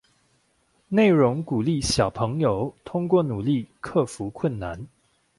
内容鼓励小朋友通过努力克服困难。